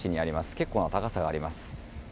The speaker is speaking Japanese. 結構な高さがあります。